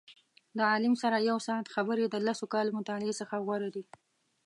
د عالم سره یو ساعت خبرې د لسو کالو مطالعې څخه غوره دي.